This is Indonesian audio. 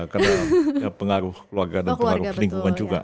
karena pengaruh keluarga dan pengaruh lingkungan juga